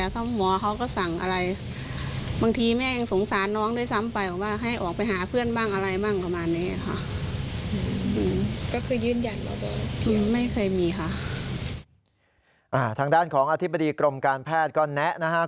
ทางด้านของอธิบดีกรมการแพทย์ก็แนะนะครับ